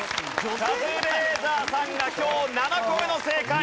カズレーザーさんが今日７個目の正解。